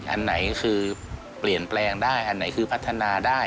อันไหนคือเปลี่ยนแปลงได้อันไหนคือพัฒนาได้